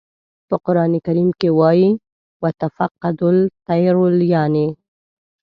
په قرآن کریم کې وایي "و تفقد الطیر" یانې.